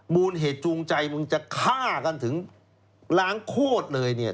มูลเหตุจูงใจมึงจะฆ่ากันถึงล้างโคตรเลยเนี่ย